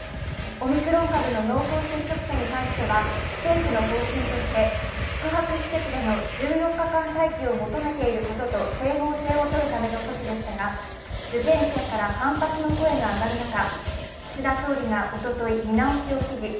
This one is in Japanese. オミクロン株の濃厚接触者に対しては政府の方針として、宿泊施設での１４日間待機を求めていることと整合性をとるための措置でしたが、受験生から反発の声が上がる中、岸田総理がおととい、見直しを指示